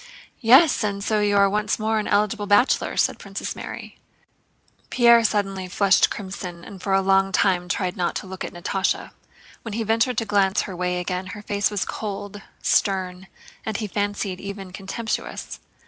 "Yes, and so you are once more an eligible bachelor," said Princess Mary. Pierre suddenly flushed crimson and for a long time tried not to look at Natásha. When he ventured to glance her way again her face was cold, stern, and he fancied even contemptuous.